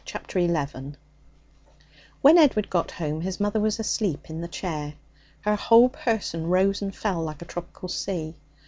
Chapter 11 When Edward got home his mother was asleep in the armchair. Her whole person rose and fell like a tropical sea.